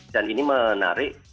dan ini menarik